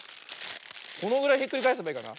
このぐらいひっくりかえせばいいかな。